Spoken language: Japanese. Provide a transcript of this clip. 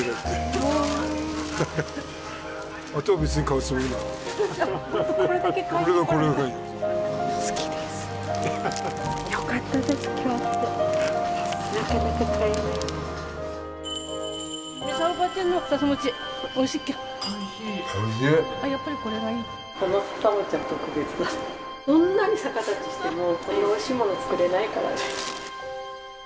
どんなに逆立ちしてもこんなおいしいもの作れないからね。